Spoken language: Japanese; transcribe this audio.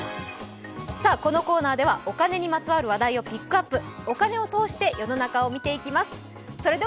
このコーナーではお金にまつわる話題をピックアップ、お金を通して世の中を見ていきます。